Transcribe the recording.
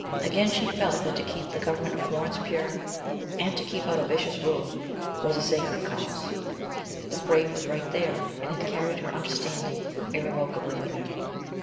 Again she felt that to keep the Government of Florence pure, and to keep out a vicious rule, was a sacred cause; the Frate was right there, and had carried her understanding irrevocably with him.